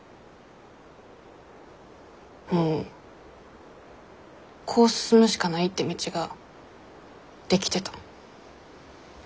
もうこう進むしかないって道ができてた。